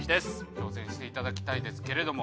挑戦していただきたいですけれども。